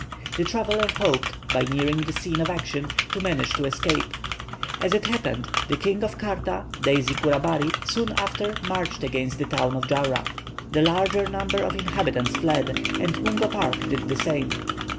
The traveller hoped, by nearing the scene of action, to manage to escape. As it happened, the King of Kaarta, Daisy Kourabari, soon after marched against the town of Jarra. The larger number of inhabitants fled, and Mungo Park did the same.